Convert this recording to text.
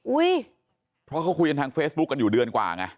อุ้ยเพราะเขาคุยกันทางเฟซบุ๊คกันอยู่เดือนกว่าไง